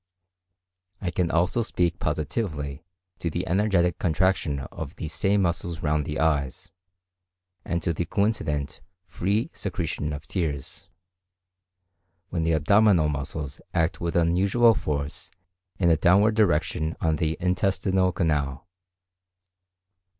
I can also speak positively to the energetic contraction of these same muscles round the eyes, and to the coincident free secretion of tears, when the abdominal muscles act with unusual force in a downward direction on the intestinal canal.